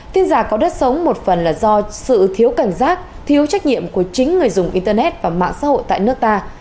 tin giả có đất sống một phần là do sự thiếu cảnh giác thiếu trách nhiệm của chính người dùng internet và mạng xã hội tại nước ta